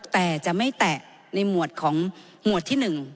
แต่จะไม่แตะในหมวดของหมวดที่๑